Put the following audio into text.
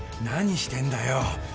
何してんだよ？